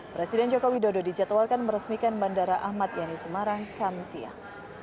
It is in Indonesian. presiden jokowi dodo dijadwalkan meresmikan bandara ahmad yani semarang kamis siang